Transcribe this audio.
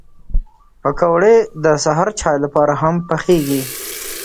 پکورې د سهر چای لپاره هم پخېږي